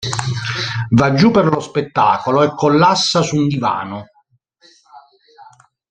Va giù per lo spettacolo e collassa su un divano.